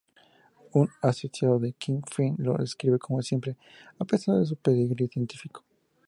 Un asociado de Kingpin lo describe como simple, a pesar de su pedigrí científico.